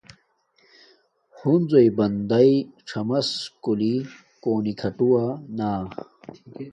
ہنرݶ بندن پادچاھس گولی کھاٹو لگاہ چھاہ